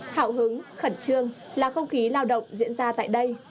hào hứng khẩn trương là không khí lao động diễn ra tại đây